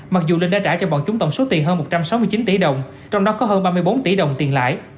mặc dù linh đã trả cho bọn chúng tổng số tiền hơn một trăm sáu mươi chín tỷ đồng trong đó có hơn ba mươi bốn tỷ đồng tiền lãi